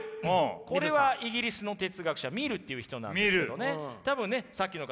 これはイギリスの哲学者ミルっていう人なんですけどね多分ねさっきの方